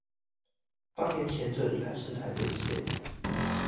八年前這裡還是臺北縣